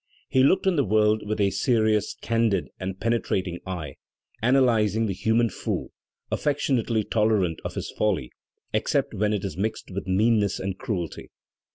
He looked on the world with a serious, candid and penetrating eye, analyzing the human fool, afiFectionately tolerant of his folly except when it is mixed with meanness and cruelty.